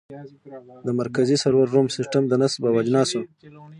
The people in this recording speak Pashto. د مرکزي سرور روم سیسټم د نصب او اجناسو